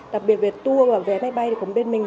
đặc biệt về tour và vé máy bay của bên mình